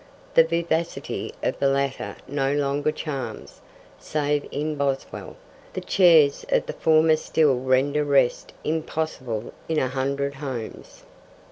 The vivacity of the latter no longer charms (save in Boswell); the chairs of the former still render rest impossible in a hundred homes.'